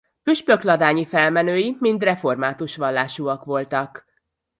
Püspökladányi felmenői mind református vallásúak voltak.